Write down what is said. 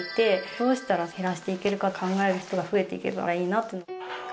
どうしたら減らしていけるか考える人が増えていけたらいいなと。